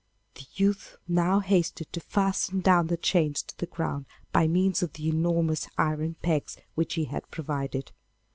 The youth now hastened to fasten down the chains to the ground by means of the enormous iron pegs which he had provided.